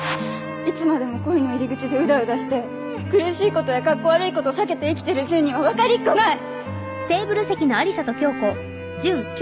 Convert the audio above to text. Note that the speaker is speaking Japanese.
いつまでも恋の入り口でうだうだして苦しいことやかっこ悪いこと避けて生きてる純にはわかりっこない！